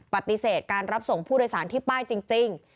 ปฏิเสธการรับส่งผู้โดยสารที่ป้ายจริง